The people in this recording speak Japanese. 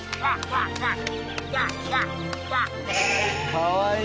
かわいい。